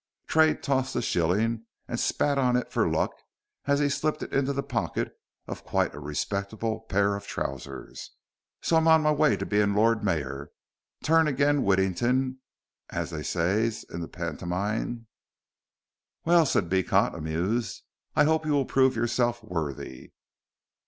Tray tossed the shilling and spat on it for luck as he slipped it into the pocket of quite a respectable pair of trousers. "So I'm on m'waiy to bein' Lord Mayor turn agin Wittington, as they ses in the panymine." "Well," said Beecot, amused, "I hope you will prove yourself worthy."